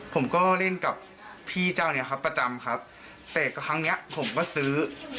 ผมก็เล่นกับพี่เจ้าเนี้ยครับประจำครับแต่ครั้งเนี้ยผมก็ซื้อ